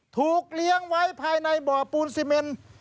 ถูกเลี้ยงไว้ภายในบ่อปูนซีเมน